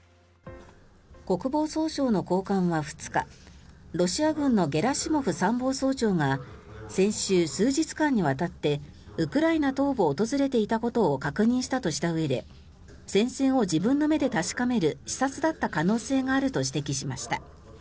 国防総省の高官は２日ロシア軍のゲラシモフ参謀総長が先週、数日間にわたってウクライナ東部を訪れていたことを確認したとしたうえで戦線を自分の目で確かめる視察だった可能性があると指摘しました。